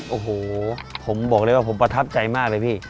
โอ้โหผมบอกเลยว่าผมประทับใจมากเลยพี่